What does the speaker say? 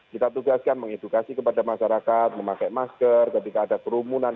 kita tugaskan mengedukasi kepada masyarakat memakai masker ketika ada kerumunan